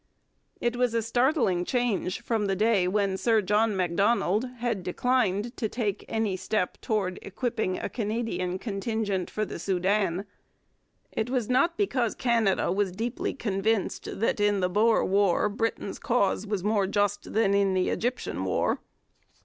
It was a startling change from the day when Sir John Macdonald had declined to take any step towards equipping a Canadian contingent for the Soudan. It was not because Canada was deeply convinced that in the Boer War Britain's cause was more just than in the Egyptian War.